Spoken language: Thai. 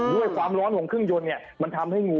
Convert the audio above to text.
ด้วยความร้อนของเครื่องยนต์เนี่ย